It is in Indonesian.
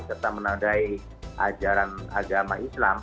serta menandai ajaran agama islam